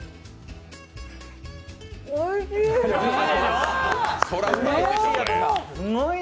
おいしい！